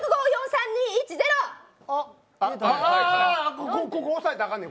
ああ、ここ押さえたらあかんねん。